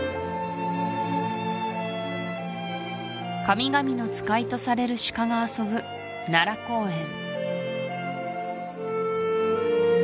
神々の使いとされる鹿が遊ぶ奈良公園